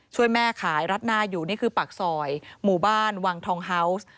ช่วยแม่ขายรัดหน้าอยู่นี่คือปากซอยหมู่บ้านวังทองเฮาวส์